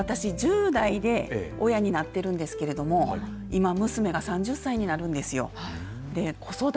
私、１０代で親になっているんですけど今、娘が３０歳になるんですよ。